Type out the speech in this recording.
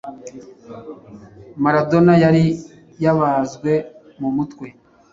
Maradona yari yabazwe mu mutwe